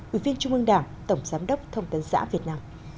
ủy viên trung ương đảng tổng giám đốc thông tấn xã việt nam